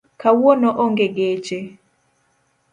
Kawuono onge geche